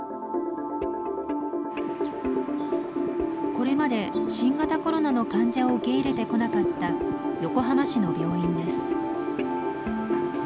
これまで新型コロナの患者を受け入れてこなかった横浜市の病院です。